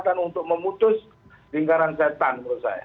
nah ini kesempatan untuk memutus lingkaran setan menurut saya